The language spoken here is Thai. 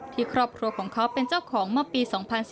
ครอบครัวของเขาเป็นเจ้าของเมื่อปี๒๔